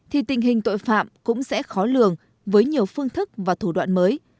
thì tình hình tội phạm cũng sẽ khó lường với nhiều phương thức và thủ đoạn mới